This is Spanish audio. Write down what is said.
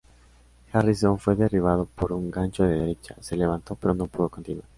Harrison fue derribado por un gancho de derecha, se levantó pero no pudo continuar.